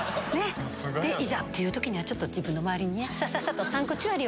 いざという時にはちょっと自分の周りにね。